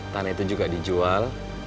tanah itu juga dijual